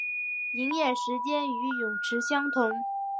营业时间与泳池相同。